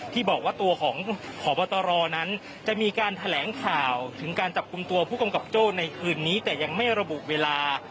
ที่บอกว่าตัวของพบตรนั้นจะมีการแถลงข่าวถึงการจับกลุ่มตัวผู้กำกับโจ้ในคืนนี้แต่ยังไม่ระบุเวลา